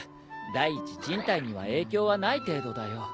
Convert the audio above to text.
第一人体には影響はない程度だよ。